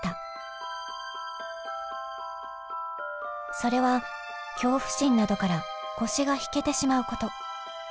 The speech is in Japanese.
それは恐怖心などから腰が引けてしまうこと。